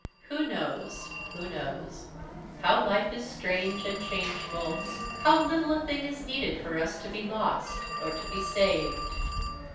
Who knows? who knows? How life is strange and changeful! How little a thing is needed for us to be lost or to be saved!